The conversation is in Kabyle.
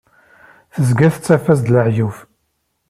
Tezga tettaf-as-d leɛyub.